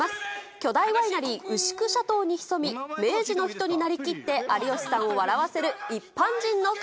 巨大ワイナリー、牛久シャトーに潜み、明治の人になりきって有吉さんを笑わせる、一般人の壁。